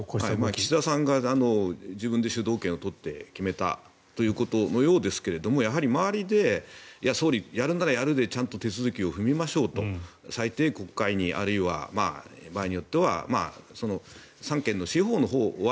岸田さんが自分で主導権を取って決めたということのようですがやはり周りで総理、やるならやるでちゃんと手続きを踏みましょうと最低、国会にあるいは場合によっては三権の司法のほうは